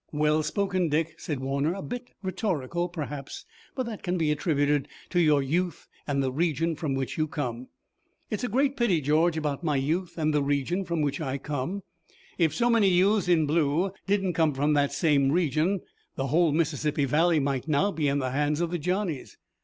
"Well spoken, Dick," said Warner. "A bit rhetorical, perhaps, but that can be attributed to your youth and the region from which you come." "It's a great pity, George, about my youth and the region from which I come. If so many youths in blue didn't come from that same region the whole Mississippi Valley might now be in the hands of the Johnnies."